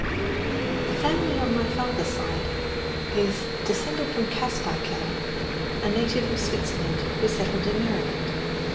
The family on my father's side is descended from Caspar Keller, a native of Switzerland, who settled in Maryland.